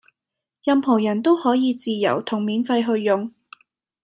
任何人都可以自由同免費去用